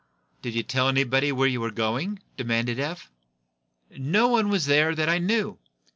"Did you tell anyone where you were going?" demanded Eph. "No one was there that I knew.